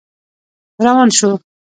روان شو.